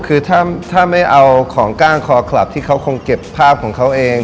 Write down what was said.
คือถ้าไม่เอาของกล้างคอคลับที่เขาคงเก็บภาพของเขาเอง